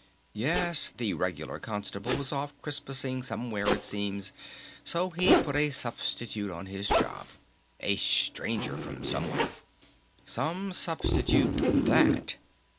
"Yes, the regular constable was off Christmasing somewhere it seems, so he put a substitute on his job, a stranger from somewhere. Some substitute that!